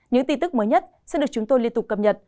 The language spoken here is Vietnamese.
những tin tức mới nhất sẽ được chúng tôi liên tục cập nhật